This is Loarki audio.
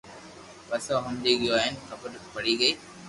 پسي او ھمجي گيو ھين خبر پڙي گئي